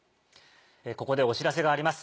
ここでお知らせがあります。